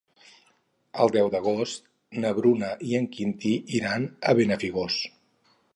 El deu d'agost na Bruna i en Quintí iran a Benafigos.